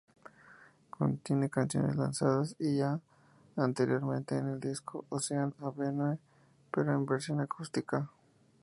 Contiene canciones lanzadas ya anteriormente en el disco "Ocean Avenue", pero en versión acústica.